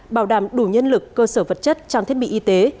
bảo đảm đủ nhân lực cơ sở vật chất trang thiết bị y tế